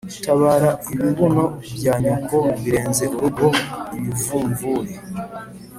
Tabara ibibuno bya nyoko birenze urugo-Ibivumvuri.